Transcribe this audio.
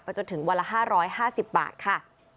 จนถึงวันละ๕๕๐บาทค่ะ